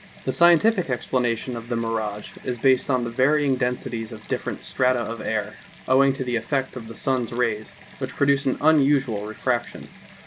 The scientific explanation, of the mirage is based on the var^dng densities of different strata of air, owing to the effect of the sun's rays, which produces an unusual refraction.